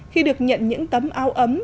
khi được nhận những tấm áo ấm